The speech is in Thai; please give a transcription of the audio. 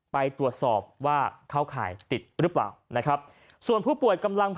ไปตรวจสอบว่าเข้าข่ายติดหรือเปล่านะครับส่วนผู้ป่วยกำลังพอ